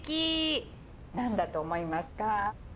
何だと思いますか？